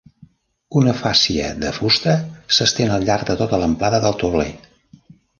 Una fàscia de fusta s'estén al llarg de tota la amplada del tauler.